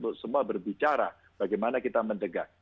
untuk semua berbicara bagaimana kita mendegah